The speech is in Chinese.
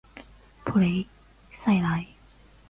普雷赛莱。